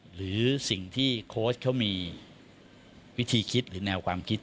หรือสิ่งที่โค้ชเขามีวิธีคิดหรือแนวความคิด